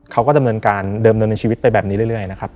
เขาก็ดำเนินการเดิมเดินในชีวิตไปแบบนี้เรื่อยนะครับ